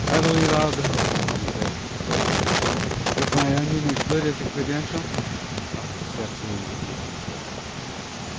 "Believe I'll go you," he said, brightening. "If my onion is good as a credential, I'll accept the invitation gladly."